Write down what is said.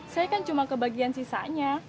saya kan cuma kebagian sisanya